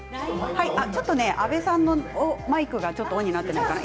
ちょっと安部さんのマイクがオンになっていませんね。